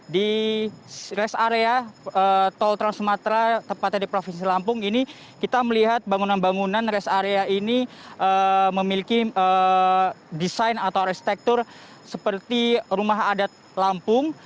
di rest area tol trans sumatera tepatnya di provinsi lampung ini kita melihat bangunan bangunan rest area ini memiliki desain atau arsitektur seperti rumah adat lampung